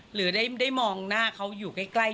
หรือได้มองหน้าเขาอยู่ใกล้